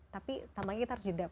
tapi tambahnya kita harus jeda